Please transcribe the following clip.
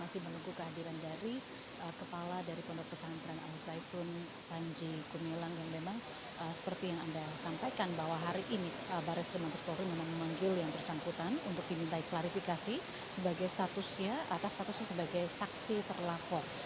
sebagai statusnya atas statusnya sebagai saksi terlapor